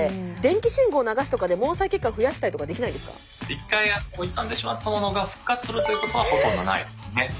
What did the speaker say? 一回傷んでしまったものが復活するということはほとんどないですね。